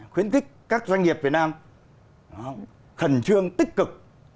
khuyến khích các doanh nghiệp việt nam khẩn trương tích cực